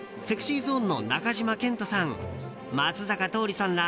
ＳｅｘｙＺｏｎｅの中島健人さん、松坂桃李さんら